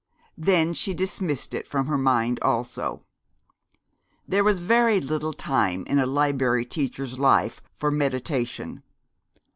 Then she dismissed it from her mind also. There is very little time in a Liberry Teacher's life for meditation.